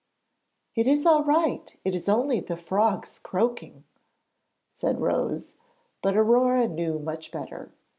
'It is all right; it is only the frogs croaking,' said Rose; but Aurore knew much better.